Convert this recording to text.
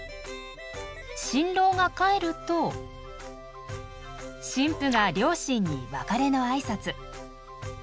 新郎が帰ると新婦が両親に別れの挨拶。